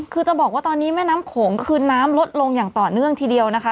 คือจะบอกว่าตอนนี้แม่น้ำโขงคือน้ำลดลงอย่างต่อเนื่องทีเดียวนะคะ